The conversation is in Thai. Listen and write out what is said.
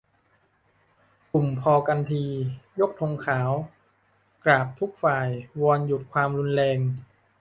กลุ่มพอกันที ! ยกธงขาว กราบทุกฝ่าย วอนหยุดความรุนแรง